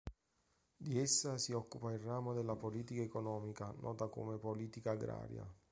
Di essa si occupa il ramo della politica economica nota come politica agraria.